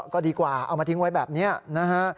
ก็ดีกว่าเอามาทิ้งไว้แบบนี้นะฮะ